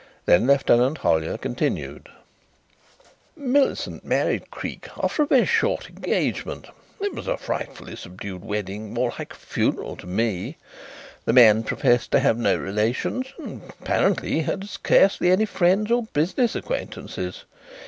Then Lieutenant Hollyer continued: "Millicent married Creake after a very short engagement. It was a frightfully subdued wedding more like a funeral to me. The man professed to have no relations and apparently he had scarcely any friends or business acquaintances.